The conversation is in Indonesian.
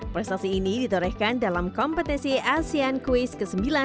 prestasi ini ditorehkan dalam kompetensi asean quiz ke sembilan